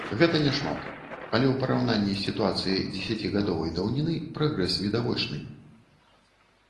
Гэта не шмат, але ў параўнанні з сітуацыяй дзесяцігадовай даўніны прагрэс відавочны.